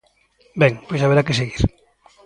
Ben, pois haberá que seguir.